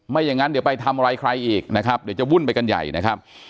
อย่างนั้นเดี๋ยวไปทำอะไรใครอีกนะครับเดี๋ยวจะวุ่นไปกันใหญ่นะครับ